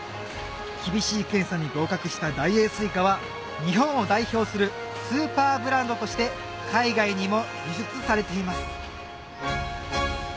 厳しい検査に合格した大栄すいかは日本を代表するスーパーブランドとして海外にも輸出されています